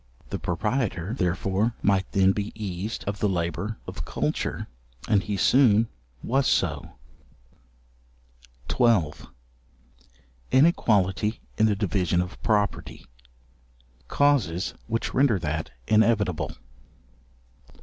The proprietor, therefore, might then be eased of the labour of culture, and he soon was so. §12. Inequality in the division of property: causes which render that inevitable.